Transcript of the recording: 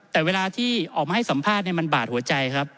แต่เวลาที่ออกมาให้สัมภาษณ์มันบาดหัวใจครับ